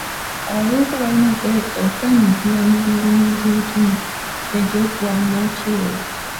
Abavubuka balina okwenyigira mu mirimu gy'ebitundu n'egy'obwannakyewa.